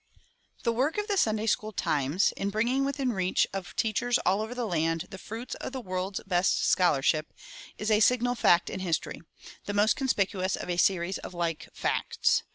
The work of the "Sunday school Times," in bringing within the reach of teachers all over the land the fruits of the world's best scholarship, is a signal fact in history the most conspicuous of a series of like facts.